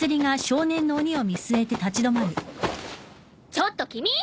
ちょっと君！